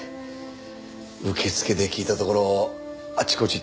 受付で聞いたところあちこち